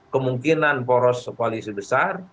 kemungkinan poros polisi besar